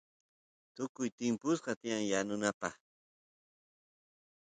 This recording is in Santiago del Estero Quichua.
tukuy timpusqa tiyan yanunapaq